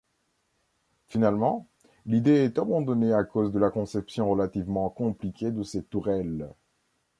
Finalement, l'idée est abandonnée à cause de la conception relativement compliquée de ces tourelles.